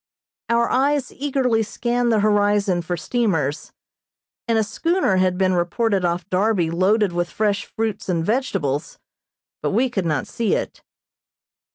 Our eyes eagerly scanned the horizon for steamers, and a schooner had been reported off Darby loaded with fresh fruits and vegetables, but we could not see it.